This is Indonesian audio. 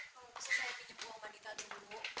kalau bisa saya pinjam uang madita dulu